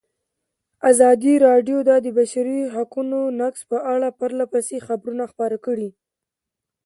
ازادي راډیو د د بشري حقونو نقض په اړه پرله پسې خبرونه خپاره کړي.